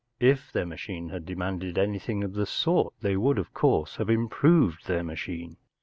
If their machine had demanded anything of the sort they would, of course, have improved their machine.